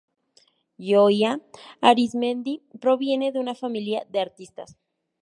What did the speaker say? Gioia Arismendi proviene de una familia de artistas.